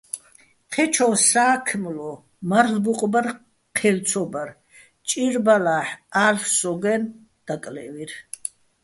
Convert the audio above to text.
ჴეჩო სა́ქმლო მარლ'ო ბუყბარ ჴელ ცო ბარ, ჭირბალა́ჰ̦ ა́ლ'ო̆ სო́გო̆-აჲნო̆, დაკლე́ვირ.